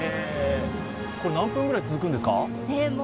これ何分ぐらい続くんですか？